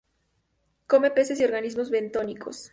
Come peces y organismos bentónicos.